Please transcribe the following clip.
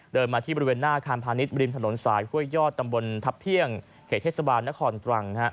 มาที่บริเวณหน้าอาคารพาณิชย์ริมถนนสายห้วยยอดตำบลทัพเที่ยงเขตเทศบาลนครตรัง